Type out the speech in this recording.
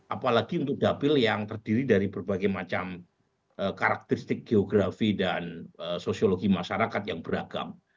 apalagi untuk dapil yang terdiri dari berbagai macam karakteristik geografi dan sosiologi masyarakat yang beragam